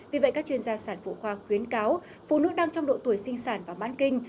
vì vậy các chuyên gia sản phụ khoa khuyến cáo phụ nữ đang trong độ tuổi sinh sản và mãn kinh